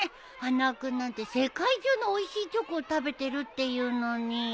花輪君なんて世界中のおいしいチョコを食べてるっていうのに。